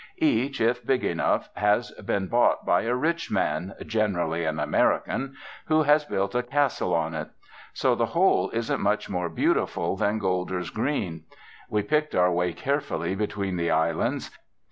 Each, if big enough, has been bought by a rich man generally an American who has built a castle on it. So the whole isn't much more beautiful than Golder's Green. We picked our way carefully between the islands.